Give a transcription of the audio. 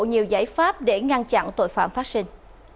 nhiều giải pháp để ngăn chặn tội phạm phát sinh